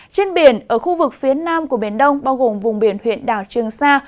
trên biển ở khu vực phía nam của biển đông bao gồm vùng biển huyện đảo trường sa